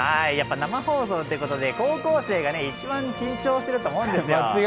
生放送ってことで高校生が一番緊張してると思うんですよ。